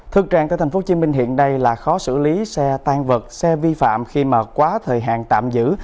thực trạng tại thành phố hồ chí minh hiện đây là khó xử lý xe tan vật xe vi phạm khi mà quá thời hạn tạm giữ